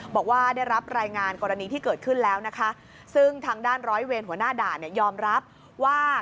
บอกว่าได้รับรายงานกรณีที่เกิดขึ้นแล้วนะคะซึ่งทางด้านร้อยเวรหัวหน้าด่านเนี่ยยอมรับว่า